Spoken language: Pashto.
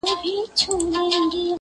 انسانانو اوس له ما دي لاس پرېولي-